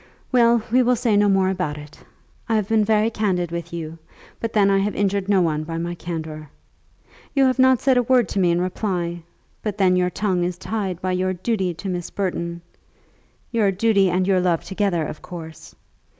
Well; we will say no more about it. I have been very candid with you, but then I have injured no one by my candour. You have not said a word to me in reply; but then your tongue is tied by your duty to Miss Burton, your duty and your love together, of course.